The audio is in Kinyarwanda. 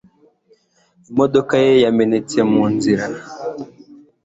imodoka ye yamenetse munzira